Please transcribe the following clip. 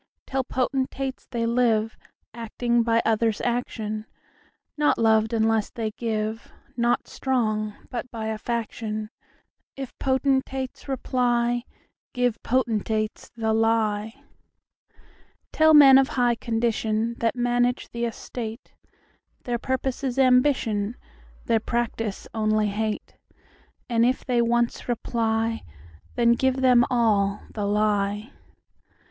Tell potentates, they liveActing by others' action; Not loved unless they give, Not strong, but by a faction:If potentates reply, Give potentates the lie. Tell men of high condition, That manage the estate, Their purpose is ambition, Their practice only hate:And if they once reply, Then give them all the lie.